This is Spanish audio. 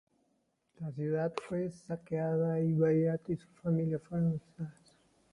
La ciudad fue saqueada y Bagrat V y su familia fueron encarcelados.